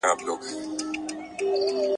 هر غښتلی چي کمزوری سي نو مړ سي `